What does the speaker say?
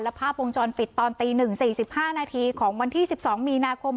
และภาพวงจรปิดตอนตีหนึ่งสี่สิบห้านาทีของวันที่สิบสองมีนาคม